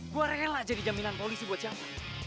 gue rela jadi jaminan polisi buat siapa